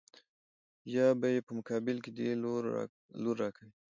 يا به يې په مقابل کې دې لور را کوې.